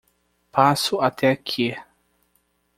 Passo até aqui.